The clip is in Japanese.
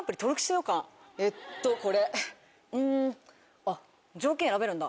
えっとこれうんあっ。